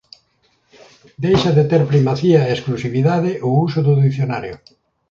Deixa de ter primacía e exclusividade o uso do dicionario.